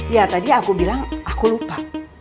ya tadi aku bilang aku lupa